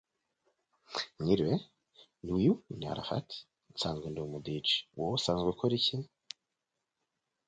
During his high school career, he began working with world-renowned conditioning coach Istvan Javorek.